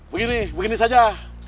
begini begini saja